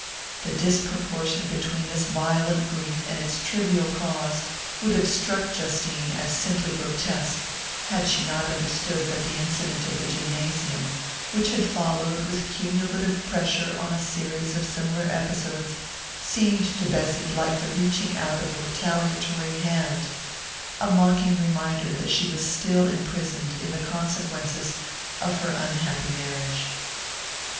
The disproportion between this violent grief and its trivial cause would have struck Justine as simply grotesque, had she not understood that the incident of the gymnasium, which followed with cumulative pressure on a series of similar episodes, seemed to Bessy like the reaching out of a retaliatory hand a mocking reminder that she was still imprisoned in the consequences of her unhappy marriage.